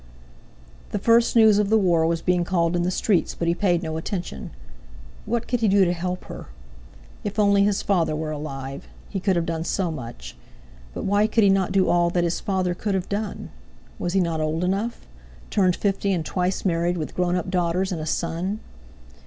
The first news of the war was being called in the streets, but he paid no attention. What could he do to help her? If only his father were alive! He could have done so much! But why could he not do all that his father could have done? Was he not old enough?—turned fifty and twice married, with grown up daughters and a son.